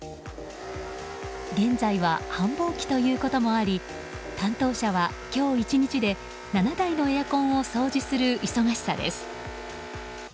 現在は繁忙期ということもあり担当者は今日１日で７台のエアコンを掃除する忙しさです。